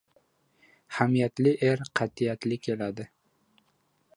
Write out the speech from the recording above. — Hamiyatli er qat’iyatli keladi.